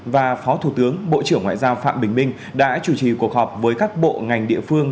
và phó thủ tướng bộ trưởng ngoại giao phạm bình minh đã chủ trì cuộc họp với các bộ ngành địa phương